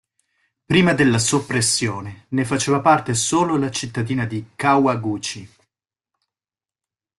Prima della soppressione, ne faceva parte solo la cittadina di Kawaguchi.